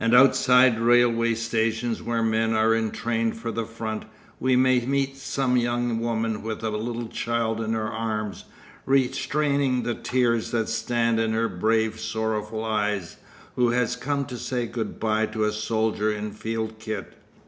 And outside railway stations where men are entrained for the front, we may meet some young woman with a little child in her arms, restraining the tears that stand in her brave, sorrowful eyes, who has come to say good bye to a soldier in field kit.